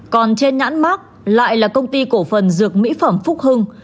còn trên nhãn mát lại là công ty cổ phần dược mỹ phẩm phúc hưng